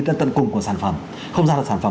cái tân cùng của sản phẩm không ra được sản phẩm